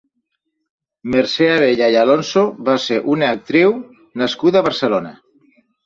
Mercè Abella i Alonso va ser una actriu nascuda a Barcelona.